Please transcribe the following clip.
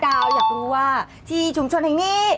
ดาวอยากรู้ว่าที่ชุมชนแห่งนี้